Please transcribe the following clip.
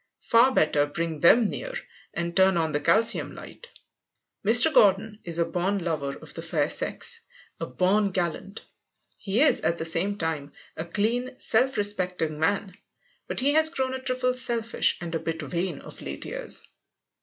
Far better bring them near and turn on the calcium light. Mr. Gordon is a born lover of the fair sex, a born gallant. He is, at the same time, a clean, self respecting man. But he has grown a trifle selfish and a bit vain of late years.